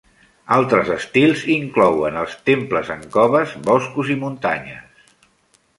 Altres estils inclouen els temples en coves, boscos i muntanyes.